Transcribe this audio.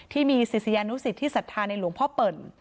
ที่มีศิษยานุสิตที่ศรัทธาในหลวงพ่อเปิ่น